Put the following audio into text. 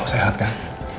lo sehat kan